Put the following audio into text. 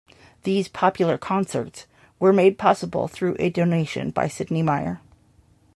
These 'Popular Concerts' were made possible through a donation by Sidney Myer.